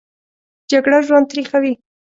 جګړه ژوند تریخوي